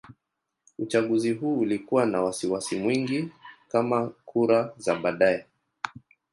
Uchaguzi huu ulikuwa na wasiwasi mwingi kama kura za baadaye.